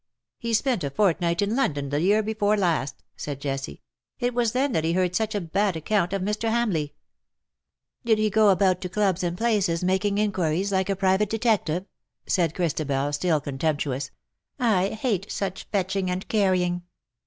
*' He spent a fortnight in London the year before last," said Jessie ;^* it was then that he heard such a bad account of Mr. Hamleigh." THE LOVELACE OF HIS DAY. 0/ " Did he go about to clubs and places malvinoj in quiries, like a private detective ?" said Christabel, still contemptuous ;" I bate such fetching and carrying!'